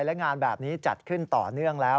และงานแบบนี้จัดขึ้นต่อเนื่องแล้ว